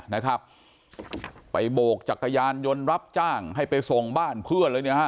นะครับไปโบกจักรยานยนต์รับจ้างให้ไปส่งบ้านเพื่อนเลยเนี่ยฮะ